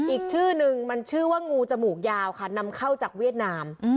อีกชื่อนึงมันชื่อว่างูจมูกยาวค่ะนำเข้าจากเวียดนาม